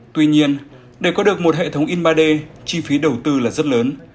tuy nhiên để có được một hệ thống in ba d chi phí đầu tư là rất lớn